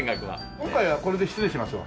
今回はこれで失礼しますわ。